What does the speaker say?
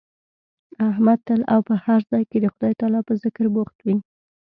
احمد تل او په هر ځای کې د خدای تعالی په ذکر بوخت وي.